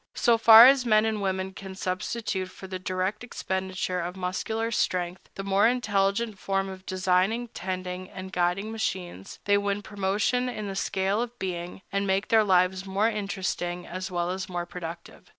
So far as men and women can substitute for the direct expenditure of muscular strength the more intelligent effort of designing, tending, and guiding machines, they win promotion in the scale of being, and make their lives more interesting as well as more productive.